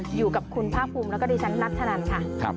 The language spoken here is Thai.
อยู่กับคุณภาคภูมิแล้วก็ดิฉันนัทธนันค่ะ